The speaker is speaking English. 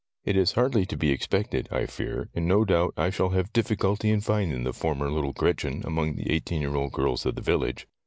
''It is hardly to be expected, I fear, and no doubt I shall have difficulty in finding the former little Gretchen among the eighteen year old girls of the village.